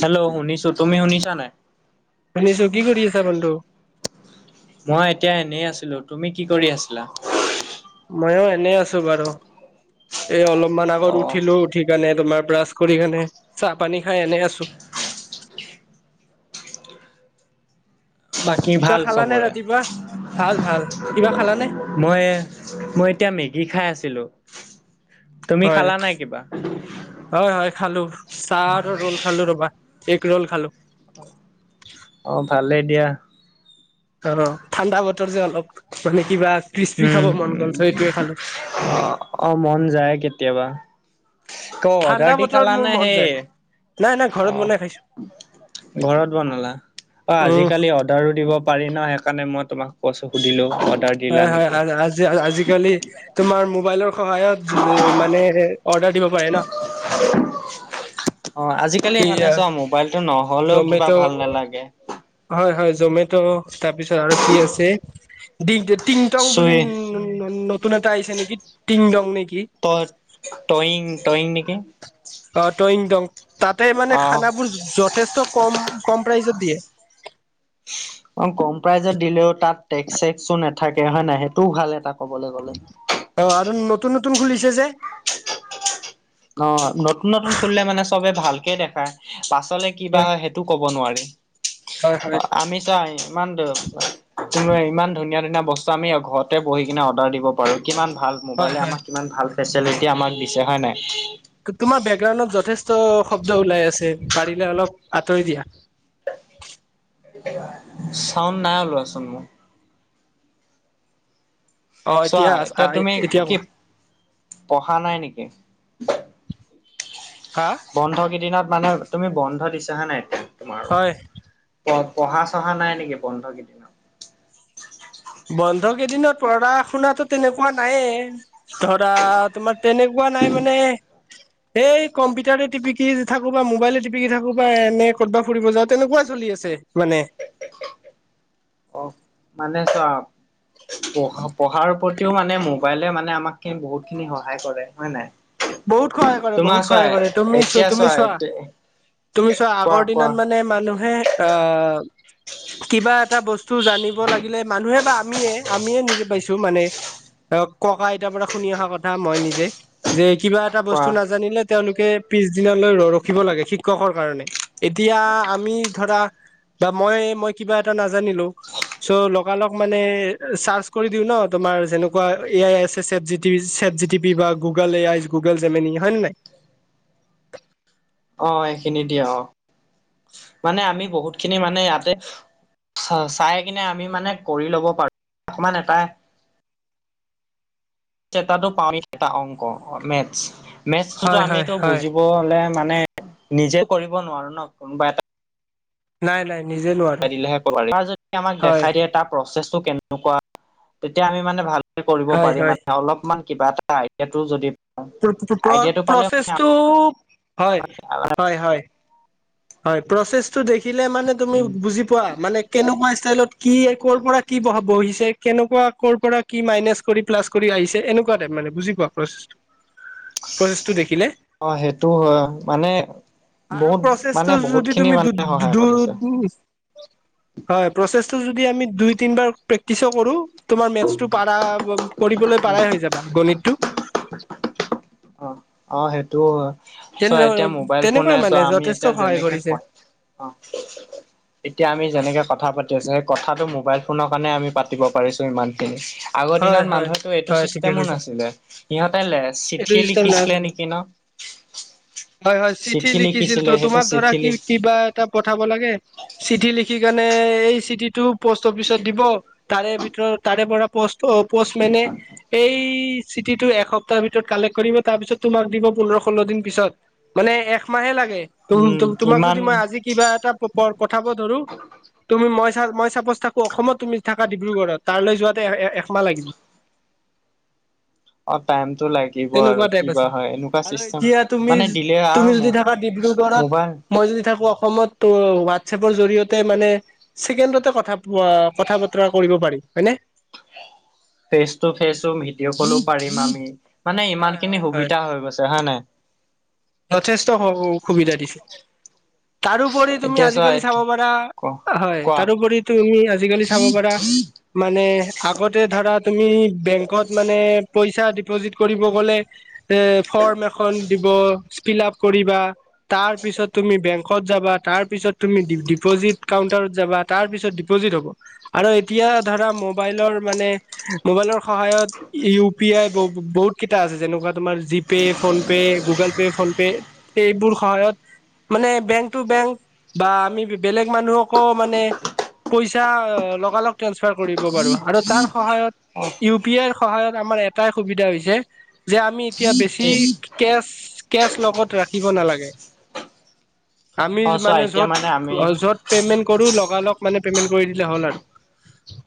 Hello শুনিছো তুমি শুনিছা নাই। শুনিছো কি কৰি আছা বন্ধু। মই এতিয়া এনেই আছিলো তুমি কি কৰি আছিলা। ময়ো এনে আছো বাৰু এই অলপমান আগত অ', উঠিলোও উঠি, সেইকাৰণে তোমাৰ ব্ৰাছ কৰি কেনে চাহ পানী খাই এনে আছো। বাকী কিবা ভাল খালানে চবৰে। ৰাতিপুৱা ভাল ভাল কিবা খালানে মই মই এতিয়া মেগী খাই আছিলো। তুমি হয় খালা নাই কিবা? হয় হয় খালো, চাহ আৰু ৰল খালো ৰবা একগ ৰল খালো। অঁ ভালেই দিয়া। অ ঠাণ্ডা বতৰ যে অলপ মানে কিবা ক্ৰিসপি খাব মন গ'ল সেইটোৱে খালো। অ অ মন যায় কেতিয়াবা। ক অৰ্ডাৰ ঠাণ্ডা দি বতৰত মোৰ খালানে মন সেই যায় নাই নাই ঘৰত অ, বনাই খাইছো ঘৰত বনালা অ উম আজিকালি, অৰ্ডাৰো দিব পাৰি ন সেইকাৰণে মই তোমাক কৈছো সুধিলোঁ, অৰ্ডাৰ দিলা হয় নেকি, হয় আজিকালি তোমাৰ মোবাইলৰ সহায়ত মানে অৰ্ডাৰ দিব পাৰে ন [unintelligible] অ, ‌আজিকালি মানে এইয়া চোৱা মোবাইলটো নহলেও কিবা জমেট' ভাল নালাগে। হয় হয় জমেট তাৰপিছত আৰু কি আছে ডি টিংটং বুলি চুই নতুন এটা আহিছে নেকি টিং দং নেকি। তই টয়িং টয়িং নেকি। অ টয়িং দং, তাতে মানে অ খানাবোৰ যথেষ্ট কম কম প্ৰাইজত দিয়ে। [inaudible] অঁ কম প্ৰাইজত দিলেও তাত টেক্স চেক্সো নাথাকে হয়ে নাই, সেইটোও ভাল এটা কবলৈ গলে। অঁ আৰু নতুন নতুন খুলিছে যে। অঁ নতুন নতুন খুলিলে মানে চবে ভালকে দেখায়, পাছলে- কিবা হয় সেইটো ক'ব নোৱাৰি। হয় অ হয় আমি চা ইমান ত ইমান ধুনীয়া ধুনীয়া বস্তু, আমি ঘৰতে বহি কিনে অৰ্ডাৰ দিব পাৰোঁ, কিমান ভাল হয় মোবাইলে হয় আমাক কিমান ভাল - ফেচেলিটি আমাক দিছে হয় নাই। তোমাৰ বেকগ্ৰাউণ্ডত যথেষ্ট শব্দ ওলাই আছে পাৰিলে অলপ আঁতৰি দিয়া। চাউণ্ড নাই ওলোৱাচোন মোৰ। চোৱা, এতিয়া তুমি এতিয়া কি কোৱা পঢ়া নাই নেকি? হা? বন্ধ কেইদিনত মানে তুমি বন্ধ দিছা হয় নাই, এতিয়া তোমাৰো- হয় প পঢ়া চঢ়া নাই নেকি বন্ধ কেইদিন। বন্ধ কেইদিনত পঢ়া শুনাতো তেনেকুৱা নাইয়ে। ধৰা তোমাৰ তেনেকুৱা নাই মানে। এই কম্পিউটাৰে টিপিকি থাকো বা মোবাইলেটিপিকি থাকো বা এনে ক'তবা ফুৰিব যাও তেনেকুৱা চলি আছে। মানে অ মানে চোৱা, প পঢ়াৰ প্ৰতিও মানে মোবাইলে মানে আমাক- বহুত খিনি সহায় কৰে হয় নাই। বহুত সহায় কৰে তোমাৰ বহুত চোৱা সহায় কৰে। তুমি চোৱা তুমি চোৱা- তুমি চোৱা কোৱা আগৰ কোৱা দিনত মানে মানুহে আহ কিবা এটা বস্তু জানিব লাগিলে মানুহে বা আমিয়ে আমিয়ে নিজে পাইছো মানে। অ ককা আইতাৰ পৰা শুনি অহা কথা মই নিজে, যে কিবা এটা কোৱা বস্তু নাজানিলে তেওঁলোকে পিছ দিনালৈ ৰ ৰখিব লাগে শিক্ষকৰ কাৰণে, এতিয়া আমি ধৰা বা মই মই কিবা এটা নাজানিলো, চ' লগালগ মানে চাৰ্চ কৰি দিও ন তোমাৰ যেনেকুৱা এ আই আছে চট G T chat- GT P বা Google A I Google Gemini হয় নে নাই। অঁ সেইখিনি দিয়ে অঁ, মানে আমি বহুত খিনি মানে ইয়াতে- চাই কিনে আমি মানে কৰি ল'ব পাৰোঁ, অকণমান এটা- এটা পাওঁ, এটা অংক মেথছ, মেথছটো হয় হয় আমিটো হয় বুজি - আকৌ হলে মানে নিজে কৰিব নোৱাৰো ন কোনোবা এটা, নাই নাই। নিজে নোৱাৰো দিলেহে কব পাৰিম, আমাক হয় দেখাই দিয়ে তাৰ প্ৰচেছটো কেনেকুৱা তেতিয়া আমি মানে ভাল কৰিব হয় পাৰি হয় মানে অলপমান কিবা এটা আইডিয়াটো যদি প্ৰ আইডিয়াটো পালে প্ৰচেছটো হয় হয় হয়। হয় প্ৰচেছটো দেখিলে মানে তুমি বুজি পোৱা মানে কেনেকুৱা ষ্টাইলত কি কৰ' পৰা কি ব বহিছে কেনেকুৱা কৰ পৰা কি মাইনাচ কৰি প্লাছ কৰি আহিছে এনেকা কোৱা টাইপ মানে বুজি পোৱা প্ৰচেছটো, প্ৰচেছটো দেখিলে। অ সেইটো হয় মানে আৰু বহুত মান প্ৰচেছটো যদি তুমি দু দূৰ - হয় প্ৰচেছটো যদি আমি দুই তিনিবাৰ প্ৰেক্টিচো কৰো তোমাৰ মেথছটো পাৰা কৰিবলৈ পাৰাই হৈ যাবা গণিতটো। অ অ সেইটোও হয়। চ' তেনে এতিয়া মোবাইল ফোনে তেনেকুৱাই মানে চোৱা আমি যথেষ্ট এতিয়া সহায় যেনেকে কৰিছে কম অঁ এতিয়া আমি যেনেকে কথা পাতি আছো সেই কথাটো মোবাইল ফোনৰ কাৰণে আমি পাতিব পাৰিছো ইমান খিনি। আগৰ হয় দিনত হয় মানুহ এইটো হয় ঠিকে ছিষ্টেমো নাছিলে, সিহঁতে লে চি- টু ৰিষ্টত নাই চাগে হয় হয় চিঠি লিছিল লিখিছিলে ত সেইটো তোমাক ধৰা চিঠি কি লিখ কি কিবা এটা পঠাব লাগে চিঠি লিখি কেনে এই চিঠিটো প'ষ্ট অফিচত দিব, তাৰে ভিতৰত তাৰে পৰা পষ্ট প'ষ্ট মেনে এই চিঠিটো এসপ্তাহৰ ভিতৰত কালেক্ট কৰিব তাৰ পিছত তোমাক দিব পোন্ধৰ ষোল্ল দিন পিছত। মানে একমাহে লাগে উম তোমাক যদি ইমান মই আজি কিবা এটা পঠাব ধৰো তুমি মই চা মই চাপজ থাকো অসমত তুমি থাকা ডিব্ৰুগড়ত তাৰলৈ যোৱাতে একমাহ লাগি- অ টাইম টো লা- দিব আৰু তেনেকুৱা কি টাইপ বা আছে হয় এনেকুৱা আৰু চিষ্টেম এতিয়া তুমি মানে দিলে আও তুমি ম যদি থাকা ডিব্ৰুগড়ত মোবাই- মই যদি থাকো অসমত হোৱাটছএপৰ জৰিয়তে মানে ছেকেণ্ডতে কথা কথা বতৰা কৰিব পাৰি, হয়নে? ফেচ টু ফেচো ভিডিঅ' কলো পাৰিম আমি মানে ইমান হয় খিনি হয় হয়। সুবিধা হৈ গৈছে। হয় নাই? যথেষ্ট সুবিধা দিছে। তাৰোপৰি তুমি এতিয়া চোৱা আজিকালি চাব পাৰা ক হয় কোৱা তাৰোপৰি তুমি আজিকালি চাব পাৰা মানে আগত ধৰা তুমি বেংকত মানে পইচা ডিপজিত কৰিব গলে এ ফৰ্ম এখন দিব ফিল আপ কৰিবা। তাৰ পিছত তুমি বেংকত যাবা, তাৰ পিছত তুমি ডিপ'জিট কাউণ্টাৰত যাবা। তাৰ পিছত ডিপ'জিট হ'ব, আৰু এতিয়া ধৰা মোবাইলৰ মানে মোবাইলৰ সহায়ত ইউ পি আই বহুত কেইটা আছে যেনেকুৱা তোমাৰ GPay, PhonePe, Google phone pay এইবোৰ সহায়ত মানে বেংক টু বেংক বা আমি বেলেগ মানুহকো মানে পইচা লগালগ ট্ৰেন্সফাৰ কৰিব পাৰো আৰু তাৰ সহায়ত অ ইউ পি আইৰ সহায়ত আমাৰ এটাই সুবিধা হৈছে যে আমি এতিয়া বেছি কি কে কেচ লগত ৰাখিব নালাগে। আমি অ চোৱা মানে এতিয়া আমি য'ত য'ত পেমেন্ট কৰো লগা লগ মানে পেমেন্ট কৰি দিলে হ'ল আৰু।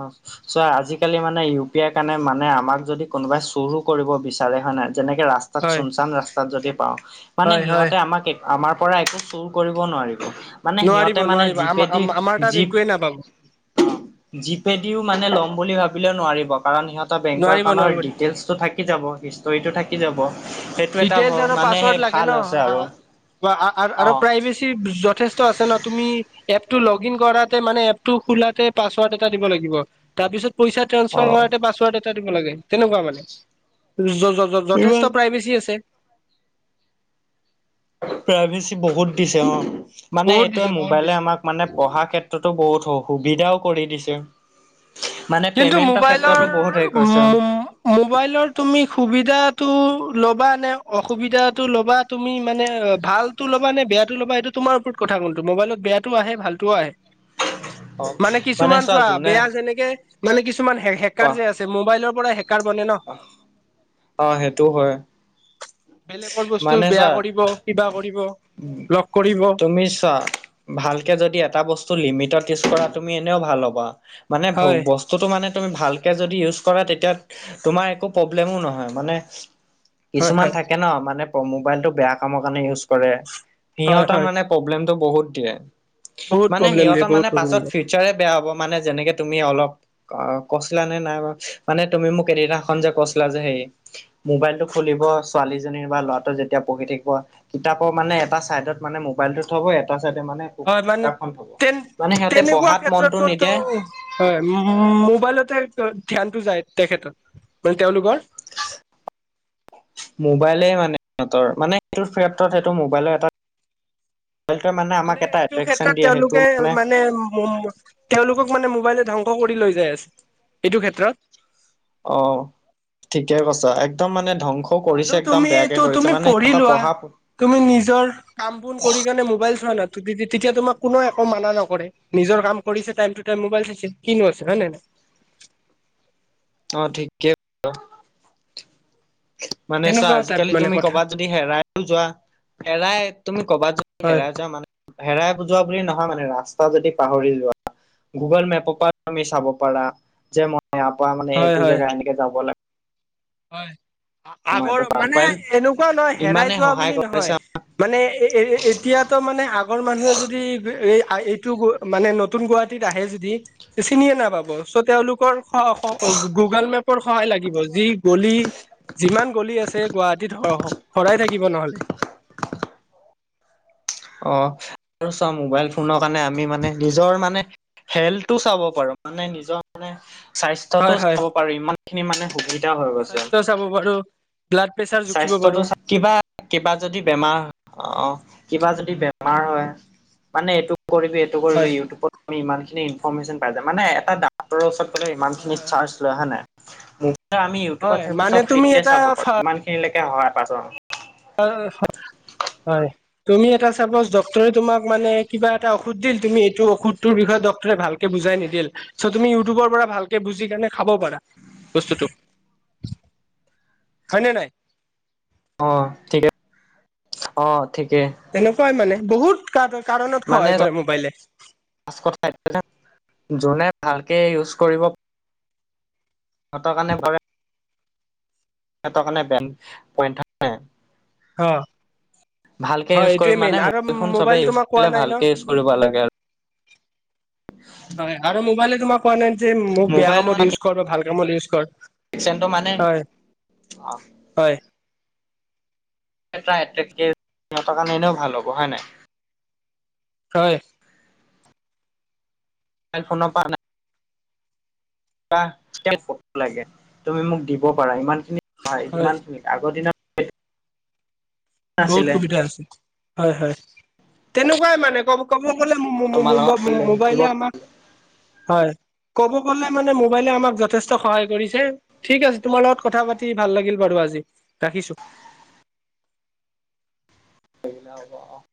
অহ। চোৱা আজিকালি মানে ইউ পি আইৰ কাৰণে মানে আমাক যদি কোনোবাই চুৰো কৰিব বিচাৰে হয় নাই যেনেকে ৰা- তাত হয় চুন চান ৰাস্তাত যদি পাওঁ মানে হয় হয় সিহঁতে আমাক এট- আমাৰ পৰা একো চুৰ কৰিব নোৱাৰিব, মানে নোৱাৰিব সিহঁতে মানে নোৱাৰিব আম জিপেদি আমাৰ তাত জীপ- একোৱে নাপাব। যিপে দিও মানে লম বুলি ভাবিলেও নোৱাৰিব, কাৰণ সিহঁতৰ বেংকৰ নোৱাৰিব একাউণ্টৰ নোৱাৰিব ডিটেইলছ টো থাক- থাকি যাব হিষ্টৰীটো থাকি যাব। সেইটো এটা ডিটেইলছ আৰু মানে সেই পাছৱৰ্ড লাগে ভাল ন আছে আৰু অ আৰু প্ৰাইভেচি যথেষ্ট ত আছে ন তুমি এপ লগ ইন কৰা মানে এপটো খোলাতে পাছৱৰ্ড এটা দিব লাগিব। তাৰ পিছত পইচাত অ ট্ৰান্সফাৰ কৰাতে পাছৱৰ্ড এটা দিব লাগে, তেনেকুৱা মানে, য য য ইমান যথেষ্ট প্ৰাইভেচী আছ- তে প্ৰাইভেচি বহুত দিছে অ মানে বহুত এইটোৱে দিছে বহুত মোবাইলে দিছে আমাক মানে পঢ়া ক্ষেত- তত বহুত সু সুবিধাও কৰি দিছে। মানে কিন্তু পেমেন্টৰ মোবাইলৰ ক্ষেত্ৰতো বহুত হেৰি কৰিছে উম মোবাইলৰ তুমি সুবিধাটো ল'বা নে অসুবিধাটো ল'বা তুমি মানে ভালটো লবা নে বেয়াটো ল'বা এইটো তোমাৰ ওপৰত কথা কোনটো মোবাইলত বেয়াটো আহে ভাল টোও আহে। অ মানে কিছুমান চোৱা বেয়া যেনেকে মানে কিছুমান হে হেকাৰ যে আছে মোবাইলৰ পৰা হেকাৰ বনে ন। আহ অ সেইটোও হয়। বেলেগৰ বস্তু মানে বেয়া চোৱা কৰিব কিবা কৰিব লগ কৰিব উমিষ্যা ভালকে যদি এটা বস্তু লিমিটত ইউজ কৰা তুমি এনেও ভাল হ'বা মানে হয় ব স্তুটো মানে তুমি ভালকে ইউজ কৰা তেতিয়া তোমাৰ একো প্ৰব্লেমো নহয় মানে হয় কিছুমান হয় থাকে ন মানে মোবাইলটো বেয়া কামৰ কাৰণে ইউজ কৰে হয় সিহঁতৰ হয় মানে প্ৰব্লেম টো বহুত দিয়ে, বহুত মানে প্ৰব্লেম দিয়ে সিহঁতৰ বহুত মানে প্ৰব্লেম পাছত দিয়ে ফিউচাৰে বেয়া হ'ব মানে যেনেকে তুমি অলপ অ কৈছিলা নে নাই বা মানে তুমি মোক এদিনাখন যে কৈছিলা যে সেই মোবাইলটো খুলিব ছোৱালী জনীৰ বা ল'ৰাটো যেতিয়া পঢ়ি থাকিব কিতাপৰ মানে এটা চাইডত মানে মোবাইলটোত থ'ব এটা চাইডত মানে হয় মানে কিতাপখন থব তেন মানে সিহঁতে তেনেকুৱা পঢ়াত মনটো ক্ষেত্ৰত কোনটো নিদিয়ে হয় মোবাইলতে ধ্যানটো যায় তেখেত মানে তেওঁলোকৰ [inaudible] মোবাইলে মানে সিহতৰ মানে সেইটো ক্ষেপত সেইটো মোবাইলৰ এটা মোবাইলটো মানে আমাক মানে এটা এইটো এট্ৰেকচন ক্ষেত্ৰত দিয়ে সেইটো তেওঁলোকে মানে মম ম তেওঁলোকক মানে মোবাইলে ধ্বংস কৰি লৈ যায় আছে এইটো ক্ষেত্ৰত অ ঠিকে কৈছা একদম মানে ধ্বং স কৰিছে বাৰু তুমি একদম এইটো বেয়াকে তুমি কৰিছে মানে পঢ়ি সিহতৰ লোৱা পঢ়া তুমি নিজৰ কাম বোন কৰি কানে মোবাইল চোৱা ন তেতিয়া তোমাক কোননেও একো মানা নকৰে নিজৰ কাম কৰিছে টাইম টো টাইম মোবাইল চাইছে কিনো আছে হয় নাই অ ঠিকেই মানে চোৱা তেনেকুৱা টাইপ আজিকালি মানে তুমি কথা কবাত যদি হেৰাইও যোৱা হেৰাই তুমি ক'বাত যদি হয় হেৰাই যোৱা মানে হেৰাই বুজোৱা বুলি নহয় মানে ৰাস্তা যদি পাহৰি যোৱা গুগল মেপৰ পৰা তুমি চাব পাৰা যে মই ইয়াৰ পৰা মানে হয় এইটো হয় জেগা এনেকে যাব লা হয় মই আগৰ এইটো পাম মানে মোবাইল এনেকুৱা নহয় হেৰাই ইমানে যোৱা সহায় বুলি নহয় কৰিছে মানে এতিয়াতো মানে আগৰ মানুহে যদি এই এইটো মানে নতুন গুৱাহাটীত আহে যদি চিনিয়ে নাপাব চ' তেওঁলোকৰ শ শ গুগল মেপৰ সহায় লাগিব যি গলি যিমান গলি আছে এই গুৱাহাটীত স সৰাই থাকিব নহ'লে অ আৰু চা মোবাইল ফোনৰ কাৰণে আমি মানে নিজৰ মানে হেল্থটো চাব পাৰো মানে নিজৰ মানে স্বাস্থ্যতটো হয় হয় চাব পাৰো ইমান খিনি মানে সুবি স্বাস্থ্য চাব পাৰো ব্লাড প্ৰেচাৰ জুখিব স্বাস্থ্যতো পাৰো চা কিবা কিবা যদি বেমাৰ অ কিবা যদি বেমাৰ হয় মানে এইটো কৰিবি হয় কৰিবি ইউটিউবত আমি ইমানখিনি ইনফৰ্মেচন পাই যাম মানে এটা ডাক্তৰ ওচৰত গ'লে ইমানিনি চাৰ্জ লয় হয় নাই মূঠতে আমি হয় ইউটিউবত সেবোৰ মানে চব তুমি ফ্ৰিতে চাব এটা পাৰো ইমান খিনিলেকে সহায় পাইছ। হয় হয় হয় তুমি এটা চাপোজ ডক্টৰে তোমাক মানে কিবা এটা ঔষধ দিল তুমি এইটো ঔষধ তোৰ বিষয়ে ডক্টৰে ভাল কে বুজাই নিদিল চ' তুমি ইউটিউবৰ পৰা ভালকে বুজি কেনে খাব পাৰা বস্তুটো হয় নে নাই অ ঠিকে অ ঠিকে তেনেকুৱাই মানে বহুত কা ত কাৰণত সহায় কৰে মোবাইলে ফ্ৰাষ্ট কথা এইটো যে যোনে ভালকে ইউজ কৰিব হেতৰ কাণে বাবে সেত কাণে বেয়া পইণ্ট হা হ ভালকে হয় ইউজ কৰিব এইটোৱে মানে মেইন আৰু ফোন চবে মোবাইল ইউজ তোমাক কৰিলে কোৱা নাই ন ভালকে ইউজ কৰিব লাগে আৰু হয় আৰু মোবাইলে তোমাক কোৱা নাই যে মোক বেয়া কামত ইউজ কৰ বা ভাল কামত ইউজ কৰ চেনটো মানে হয় অ হয় [unintelligible] ভাল হ'ব হয় নাই? হয়। মাবইল ফন পা নে আ এতিয়াই ফটো লাগে, তুমি মোক দিব পাৰা ইমান খিনি সহায় হয় ইমান খিনি আগৰ দিনত বহুত নাছিলে সুবিধা আছে হয় হয় তেনেকুৱাই মানে কব ক'ব গ'লে মো মো তোমাৰ লগত মো শিকিব মোবাইলে আমাক হয় ক'ব গ'লে মানে মোবাইলে আমাক যথেষ্ট সহায় কৰিছে। ঠিক আছে তোমাৰ লগত কথা পাতি ভাল লাগিল বাৰু আজি ৰাখিছো। [unintelligible]